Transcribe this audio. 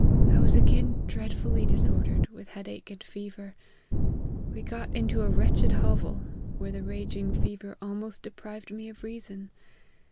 I was again dreadfully disordered with head ache and fever. We got into a wretched hovel, where the raging fever almost deprived me of reason.